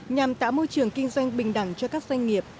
nhằm tạo môi trường kinh doanh bình đẳng cho các doanh nghiệp